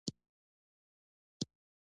افغانستان د زردالو د ساتنې لپاره قوانین لري.